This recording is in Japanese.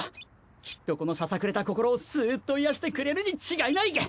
きっとこのささくれた心をスッと癒やしてくれるに違いない。